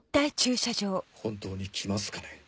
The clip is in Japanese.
本当に来ますかね？